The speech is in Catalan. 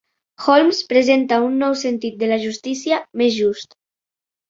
Holmes presenta un nou sentit de la justícia més just.